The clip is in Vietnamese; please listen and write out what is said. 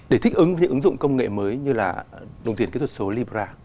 để thích ứng với những ứng dụng công nghệ mới như là đồng tiền kỹ thuật số libra